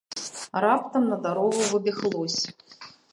Раптам на дарогу выбег лось.